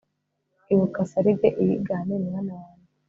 ibuka sarigue, iyigane, mwana wanjye